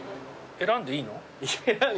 選んでいいの？